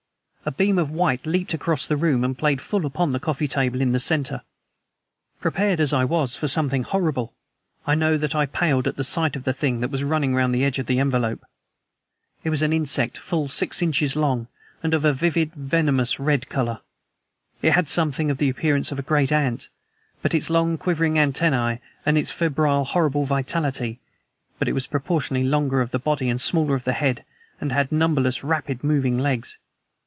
A beam of white leaped out across the room and played full upon the coffee table in the center. Prepared as I was for something horrible, I know that I paled at sight of the thing that was running round the edge of the envelope. It was an insect, full six inches long, and of a vivid, venomous, red color! It had something of the appearance of a great ant, with its long, quivering antennae and its febrile, horrible vitality; but it was proportionately longer of body and smaller of head, and had numberless rapidly moving legs.